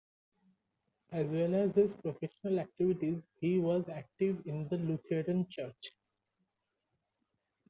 As well as his professional activities, he was active in the Lutheran church.